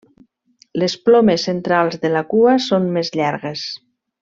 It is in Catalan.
Les plomes centrals de la cua són més llargues.